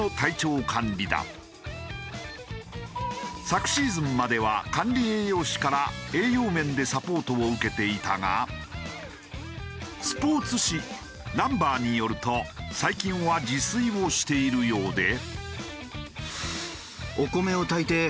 昨シーズンまでは管理栄養士から栄養面でサポートを受けていたがスポーツ誌『Ｎｕｍｂｅｒ』によると最近は自炊をしているようで。